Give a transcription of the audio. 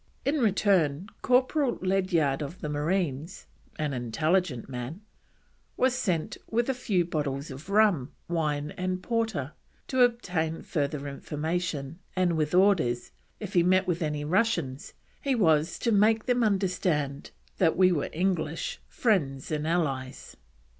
In return Corporal Ledyard of the Marines, "an intelligent man," was sent with a few bottles of rum, wine, and porter, to obtain further information, and with orders, if he met with any Russians, he was to "make them understand that we were English, Friends, and Allies."